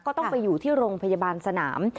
ก็ต้องไปอยู่ที่โรงพยาบาลสนาม